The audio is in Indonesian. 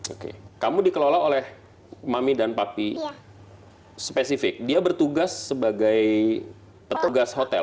oke kamu dikelola oleh mami dan papi spesifik dia bertugas sebagai petugas hotel